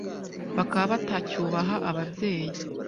bakaba batacyubaha ababyeyi